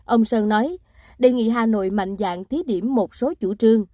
ông sơn nói đề nghị hà nội mạnh dạng thí điểm một số chủ trương